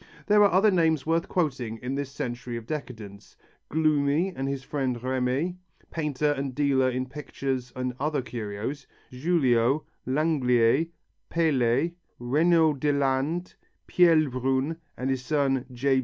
There are other names worth quoting in this century of decadence, Gloomy and his friend Remy, painter and dealer in pictures and other curios, Julliot, Langlier, Paillet, Regnault Delalande, Pierre Lebrun and his son, J.